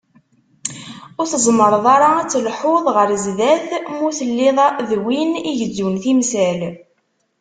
Ur tezmireḍ ara ad telḥuḍ ɣer sdat, ma ur telliḍ d win igezzun timsal.